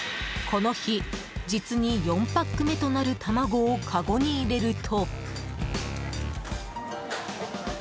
この日、実に４パック目となる卵をかごに入れると。